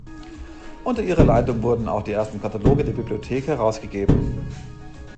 Unter ihrer Leitung wurden auch die ersten Kataloge der Bibliothek herausgegeben.